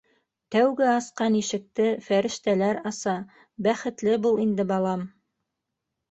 Тәүге асҡан ишекте фәрештәләр аса - бәхетле бул инде, балам!..